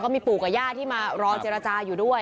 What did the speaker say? มีปู่กับหญ้าได้ร้องเจรจาอยู่ด้วย